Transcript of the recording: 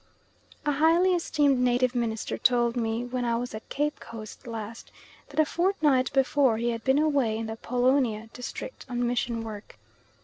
A highly esteemed native minister told me when I was at Cape Coast last, that a fortnight before, he had been away in the Apollonia district on mission work.